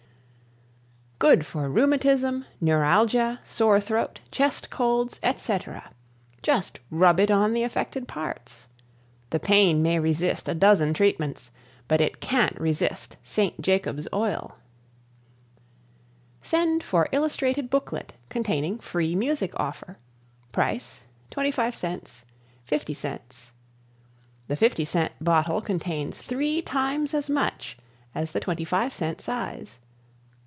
Good for Rheumatism, Neuralgia, Sore Throat, Chest Colds, etc. Just rub it on the affected parts. The pain may resist a dozen treatments but it can't resist St. Jacobs Oil. Send for Illustrated Booklet Containing Free Music Offer. Price 25c., 50c. The 50c Bottle Contains 3 Times as Much as the 25c Size.